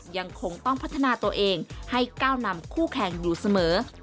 ยังคงต้องพัฒนาตัวเองให้ก้าวนำคู่แข่งอยู่เสมอ